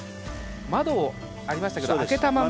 窓ありましたけど開けたまま。